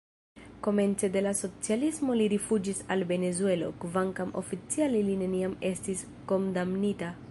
Komence de la socialismo li rifuĝis al Venezuelo, kvankam oficiale li neniam estis kondamnita.